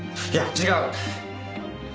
いや違う！